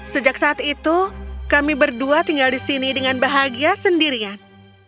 sejak saat itu kami berdua tinggal di sini dengan bahagia sendirian